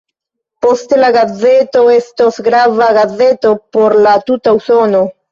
Poste la gazeto estos grava gazeto por la tuta Usono.